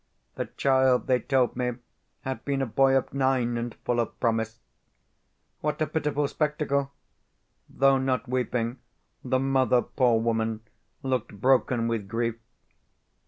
The child, they told me, had been a boy of nine, and full of promise. What a pitiful spectacle! Though not weeping, the mother, poor woman, looked broken with grief.